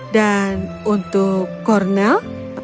dan untuk cornell